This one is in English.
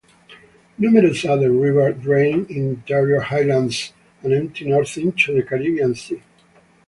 Numerous other rivers drain the interior highlands and empty north into the Caribbean Sea.